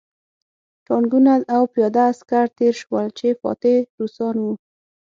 ټانکونه او پیاده عسکر تېر شول چې فاتح روسان وو